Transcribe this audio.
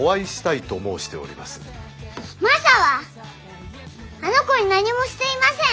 マサはあの子に何もしていません！